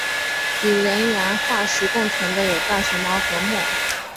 与人牙化石共存的有大熊猫和貘。